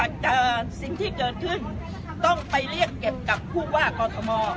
ก็อยากสิ่งที่เกิดขึ้นต้องไปเรียกเก็บกับคู่ว่ากรตหมอ